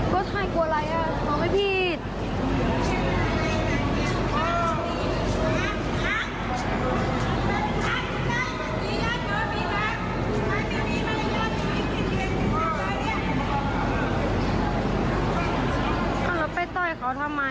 อ๋อไปต่อยเขาทำไมอ่ะ